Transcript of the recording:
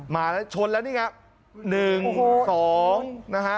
มาแล้วชนแล้วนี่ครับ